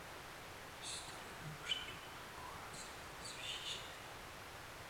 Nositelé úřadu pocházeli z vyšší šlechty.